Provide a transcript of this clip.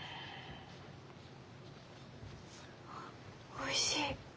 おいしい。